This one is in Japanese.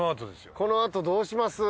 この後どうします？